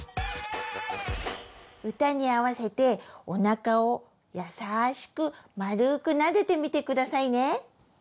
歌に合せておなかを優しくまるくなでてみてくださいね！